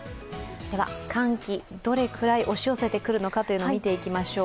寒気、どれくらい押し寄せてくるのか見ていきましょう。